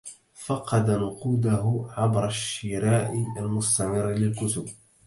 فقد نقوده عبر الشراء المستمر للكتب.